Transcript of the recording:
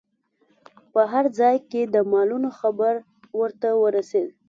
په هر ځای کې د مالونو خبر ورته ورسید.